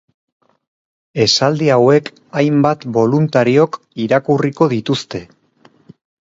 Esaldi hauek hainbat boluntariok irakurriko dituzte.